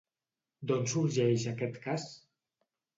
D'on sorgeix aquest cas?